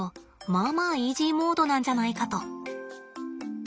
まあまあイージーモードなんじゃないかと。